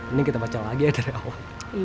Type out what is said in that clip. ini kita baca lagi ya dari awal